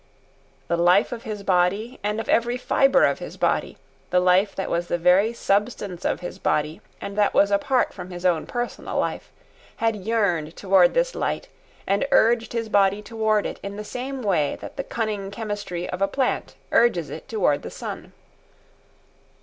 The life of his body, and of every fibre of his body, the life that was the very substance of his body and that was apart from his own personal life, had yearned toward this light and urged his body toward it in the same way that the cunning chemistry of a plant urges it toward the sun.